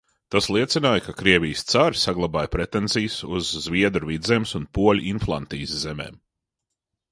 Tas liecināja, ka Krievijas cari saglabāja pretenzijas uz Zviedru Vidzemes un poļu Inflantijas zemēm.